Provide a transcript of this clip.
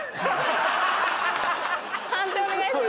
判定お願いします。